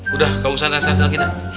udah kamu santai santai lagi deh